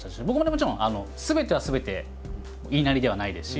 もちろんすべてがすべて言いなりではないですし